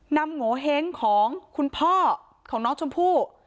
โงเห้งของคุณพ่อของน้องชมพู่